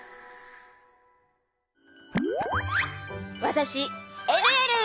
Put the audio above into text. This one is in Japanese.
わたしえるえる！